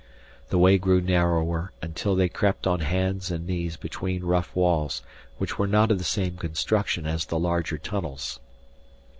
The way grew narrower until they crept on hands and knees between rough walls which were not of the same construction as the larger tunnels.